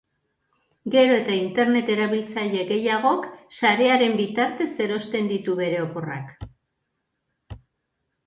Gero eta internet erabiltzaile gehiagok sarearen bitartez erosten ditu bere oporrak.